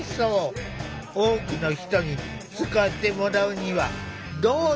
多くの人に使ってもらうにはどうすればいいの？